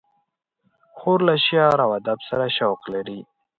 خور له شعر و ادب سره شوق لري.